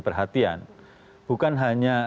perhatian bukan hanya